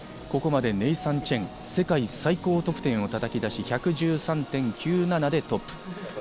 ここまでネイサン・チェン、世界最高得点をたたき出し、１１３．９７でトップ。